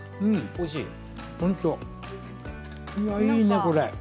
いいね、これ！